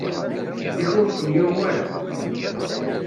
Yak ur ken-yuɣ wara?